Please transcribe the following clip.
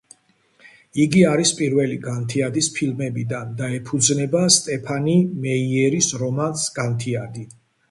იგი არის პირველი „განთიადის“ ფილმებიდან და ეფუძნება სტეფანი მეიერის რომანს „განთიადი“.